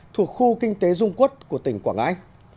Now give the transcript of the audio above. thuộc khu kinh tế dung quốc của tỉnh quảng ngãi